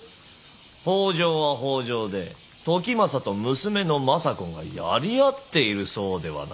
北条は北条で時政と娘の政子がやり合っているそうではないか。